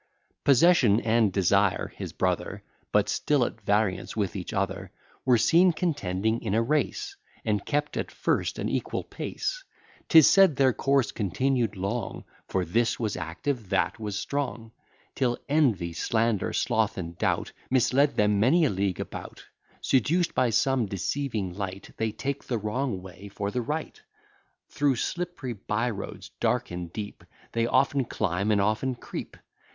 Possession, and Desire, his brother, But still at variance with each other, Were seen contending in a race; And kept at first an equal pace; 'Tis said, their course continued long, For this was active, that was strong: Till Envy, Slander, Sloth, and Doubt, Misled them many a league about; Seduced by some deceiving light, They take the wrong way for the right; Through slippery by roads, dark and deep, They often climb, and often creep.